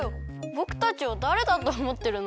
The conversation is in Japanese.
ぼくたちをだれだとおもってるの？